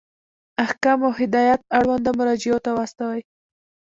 احکام او هدایات اړونده مرجعو ته واستوئ.